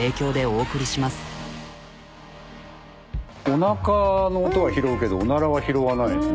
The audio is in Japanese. おなかの音は拾うけどおならは拾わないんですね。